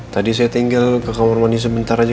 tadi saya tinggal ke kamar mandi sebentar aja